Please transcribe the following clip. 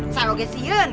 saya juga sian